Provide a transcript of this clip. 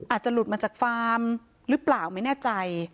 อาจจะหลุดมาจากฟาร์มหรือเปล่าไม่แน่ใจ